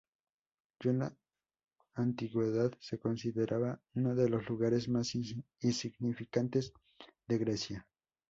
Ya en la antigüedad se consideraba uno de los lugares más insignificantes de Grecia.